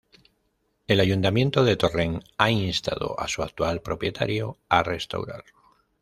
El ayuntamiento de Torrent ha instado a su actual propietario a restaurarlo.